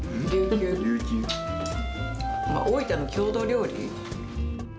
大分の郷土料理。